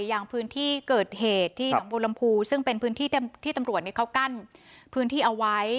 อย่างพื้นที่เกิดเหตุที่หนองบัวลำพูซึ่งเป็นพื้นที่ที่ตำรวจเขากั้นพื้นที่เอาไว้